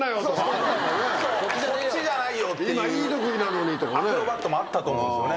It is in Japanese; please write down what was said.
「お前」。っていうアクロバットもあったと思うんですよね。